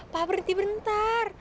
pak berhenti bentar